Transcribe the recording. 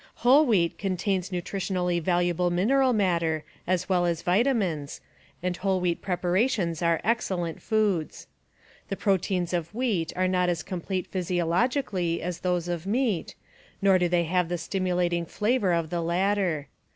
Whole wheat contains nutritionally valuable mineral matter as well as vitamins, and whole wheat preparations are excellent foods. The proteins of wheat are not as complete physiologically as those of meat, nor do they have the stimulating flavor of the latter.